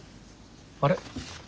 あれ？